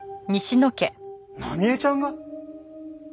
奈美絵ちゃんが？